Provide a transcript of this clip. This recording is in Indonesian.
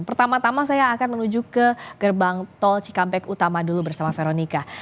pertama tama saya akan menuju ke gerbang tol cikampek utama dulu bersama veronica